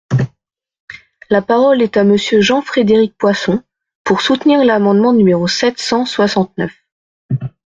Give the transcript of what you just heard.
La parole est à Monsieur Jean-Frédéric Poisson, pour soutenir l’amendement numéro sept cent soixante-neuf.